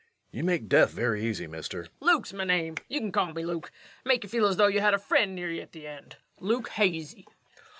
_] You make death very easy, Mister. LUKE. Luke's my name. Yer kin call me Luke. Make you feel as though you had a friend near you at the end Luke Hazy.